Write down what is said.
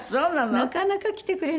なかなか来てくれなくて。